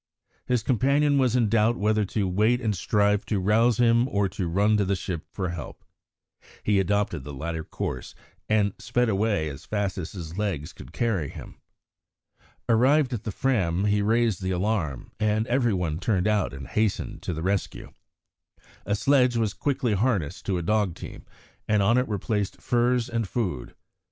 His companion was in doubt whether to wait and strive to rouse him, or to run to the ship for help. He adopted the latter course, and sped away as fast as his legs could carry him. Arrived at the Fram, he raised the alarm, and every one turned out and hastened to the rescue. A sledge was quickly harnessed to a dog team, and on it were placed furs and food.